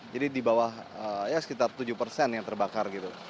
jadi di bawah ya sekitar tujuh persen yang terbakar gitu